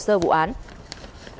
tiếp tục với các tin tức